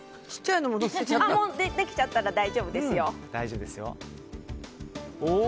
できちゃったら大丈夫ですよ。